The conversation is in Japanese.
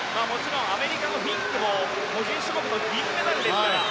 アメリカのフィンクも個人種目の銀メダルですから。